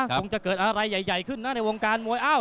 คงจะเกิดอะไรใหญ่ขึ้นนะในวงการมวยอ้าว